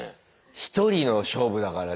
１人の勝負だからね。